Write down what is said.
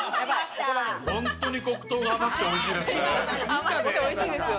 本当に黒糖が甘くておいしいですね。